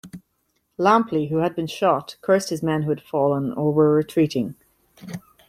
Lampley, who had been shot, cursed his men who had fallen or were retreating.